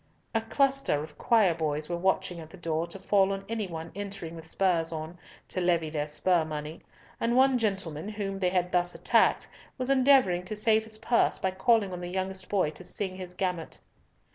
A cluster of choir boys were watching at the door to fall on any one entering with spurs on, to levy their spur money, and one gentleman, whom they had thus attacked, was endeavouring to save his purse by calling on the youngest boy to sing his gamut.